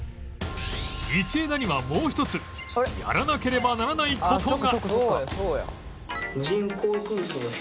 道枝にはもう一つやらなければならない事が